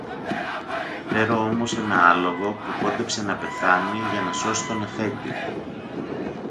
Ξέρω όμως ένα άλογο, που κόντεψε να πεθάνει για να σώσει τον αφέντη.